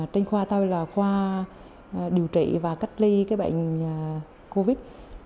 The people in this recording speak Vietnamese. trên khoa tôi là khoa điều trị và cách ly cái bệnh covid